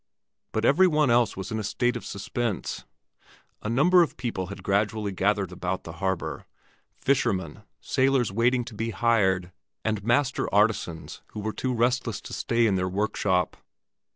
But every one else was in a state of suspense. A number of people had gradually gathered about the harbor —fishermen, sailors waiting to be hired, and master artisans who were too restless to stay in their workshop.